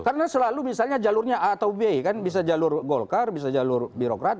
karena selalu misalnya jalurnya a atau b kan bisa jalur golkar bisa jalur birokrat